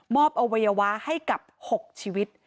อวัยวะให้กับ๖ชีวิต